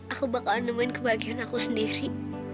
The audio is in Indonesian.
aku bakal andomen kebahagiaan aku sendiri